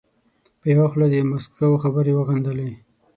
په یوه خوله د ماسکو خبرې وغندلې.